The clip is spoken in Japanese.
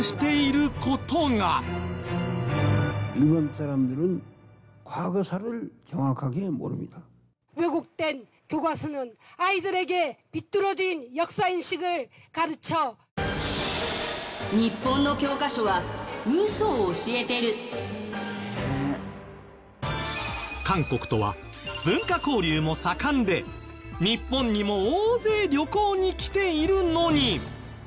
さらに韓国とは文化交流も盛んで日本にも大勢旅行に来ているのに。